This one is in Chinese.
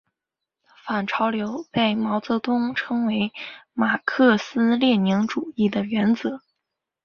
反潮流被毛泽东称为马克思列宁主义的原则。